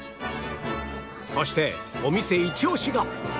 そしてお店イチオシが